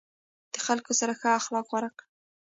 د خلکو سره ښه اخلاق غوره کړه.